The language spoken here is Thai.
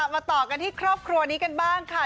มาต่อกันที่ครอบครัวนี้กันบ้างค่ะ